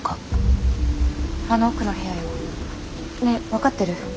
あの奥の部屋よ。ねえ分かってる？